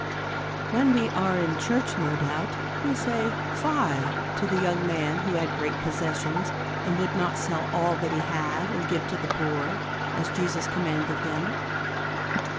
When we are in church, no doubt, we say fie to the young man who had great possessions and would not sell all that he had and give to the poor, as Jesus commanded him.